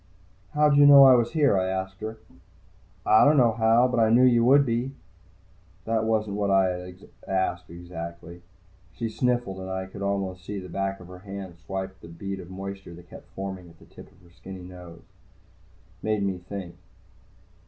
"How'd you know I was here?" I asked her. "I don't know how. But I knew you would be." That wasn't what I had asked, exactly. She sniffled, and I could almost see the back of her hand swipe at the bead of moisture that kept forming at the tip of her skinny nose. Made me think.